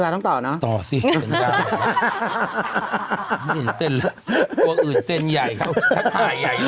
แต่ต้องต่อเนอะเศรษฐวา